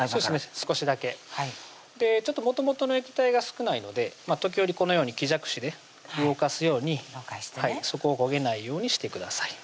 少しだけもともとの液体が少ないので時折このように木じゃくしで動かすように底を焦げないようにしてください